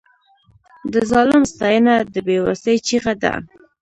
د ظالم ستاینه د بې وسۍ چیغه ده.